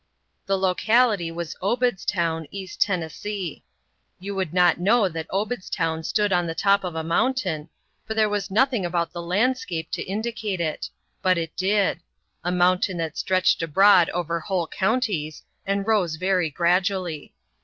The locality was Obedstown, East Tennessee. You would not know that Obedstown stood on the top of a mountain, for there was nothing about the landscape to indicate it but it did: a mountain that stretched abroad over whole counties, and rose very gradually.